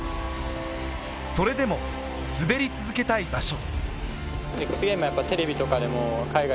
それでも滑り続けたい場所。